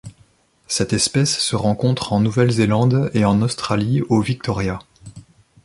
Cette espèce se rencontre en Nouvelle-Zélande et en Australie au Victoria.